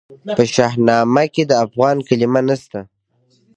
په شاهنامه کې د افغان کلمه نسته.